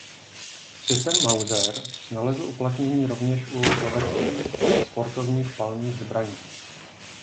Systém Mauser nalezl uplatnění rovněž u loveckých a sportovních palných zbraní.